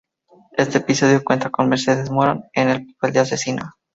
Este episodio cuenta con Mercedes Morán, en el papel de asesina.